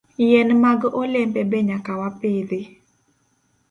Yien mag olembe be nyaka wapidhi.